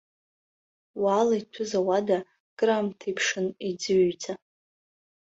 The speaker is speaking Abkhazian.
Уаала иҭәыз ауада акыраамҭа иԥшын иӡыҩҩӡа.